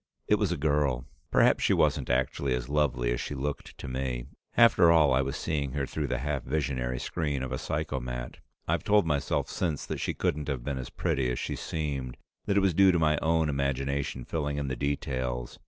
It was a girl. Perhaps she wasn't actually as lovely as she looked to me; after all, I was seeing her through the half visionary screen of a psychomat. I've told myself since that she couldn't have been as pretty as she seemed, that it was due to my own imagination filling in the details.